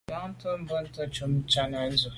Njantùn bùnte ntshob Tshana ndù.